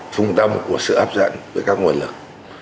trung tâm của sự hấp dẫn với các nguồn lực